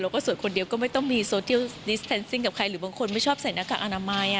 ก็สวยคนเดียวก็ไม่ต้องมีโซเทียลนิสแนนซิ่งกับใครหรือบางคนไม่ชอบใส่หน้ากากอนามัย